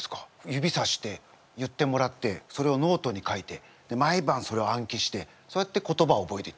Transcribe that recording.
指さして言ってもらってそれをノートに書いてまいばんそれを暗記してそうやって言葉を覚えていったんですよ。